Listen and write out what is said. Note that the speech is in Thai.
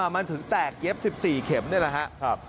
มันถึงแตกเย็บ๑๔เข็มนี่แหละครับ